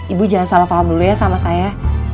ibu jangan salah paham dulu ya sama saya